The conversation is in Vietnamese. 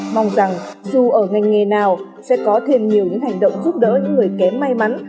mong rằng dù ở ngành nghề nào sẽ có thêm nhiều những hành động giúp đỡ những người kém may mắn